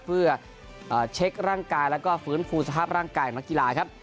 เพื่อเช็คร่างกายแล้วก็ฟื้นฟูสภาพร่างกายของนักกีฬาครับ